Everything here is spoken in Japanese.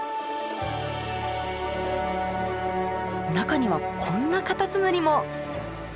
中にはこんなカタツムリも！